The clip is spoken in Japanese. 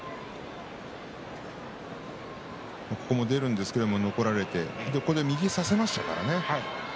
ここも出るんですけれど残られて右を差せましたからね。